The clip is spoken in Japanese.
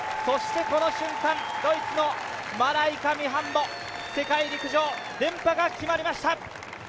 この瞬間、ドイツのマライカ・ミハンボ、世界陸上連覇が決まりました。